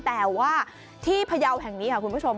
แต่ว่าที่พยาวแห่งนี้ค่ะคุณผู้ชม